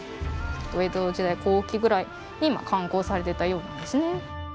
江戸時代後期ぐらいに刊行されていたようなんですね。